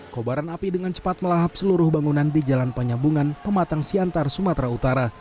kobaran api dengan cepat melahap seluruh bangunan di jalan penyambungan pematang siantar sumatera utara